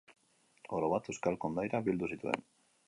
Orobat, euskal kondairak bildu zituen.